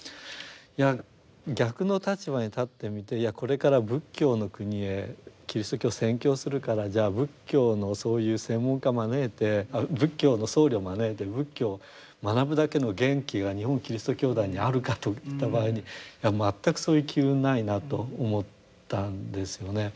いや逆の立場に立ってみてこれから仏教の国へキリスト教を宣教するからじゃあ仏教のそういう専門家を招いて仏教の僧侶を招いて仏教を学ぶだけの元気が日本基督教団にあるかといった場合にいや全くそういう機運ないなと思ったんですよね。